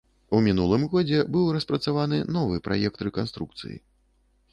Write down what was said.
У мінулым годзе быў распрацаваны новы праект рэканструкцыі.